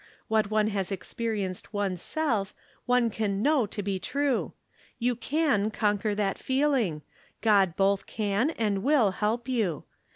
What one has experienced one's self one can know to be true. You can conquer that feeUng ; God both can and will help you.